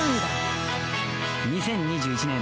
［２０２１年